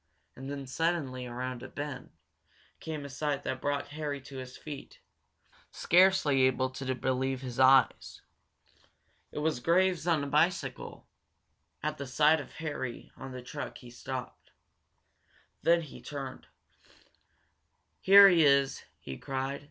And then, suddenly, around a bend, came a sight that brought Harry to his feet, scarcely able to believe his eyes. It was Graves, on a bicycle. At the sight of Harry on the truck he stopped. Then he turned. "Here he is!" he cried.